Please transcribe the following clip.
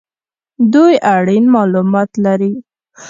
دوی اړین مالومات لري